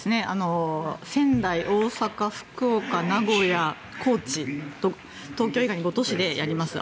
仙台、大阪、福岡、名古屋高知と東京以外の５都市でやります。